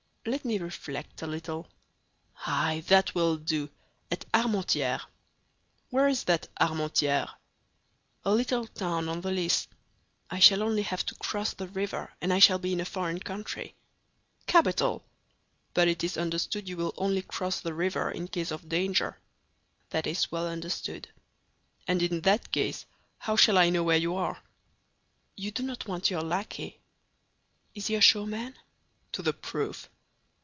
"Let me reflect a little! Ay, that will do—at Armentières." "Where is that Armentières?" "A little town on the Lys; I shall only have to cross the river, and I shall be in a foreign country." "Capital! but it is understood you will only cross the river in case of danger." "That is well understood." "And in that case, how shall I know where you are?" "You do not want your lackey?" "Is he a sure man?" "To the proof."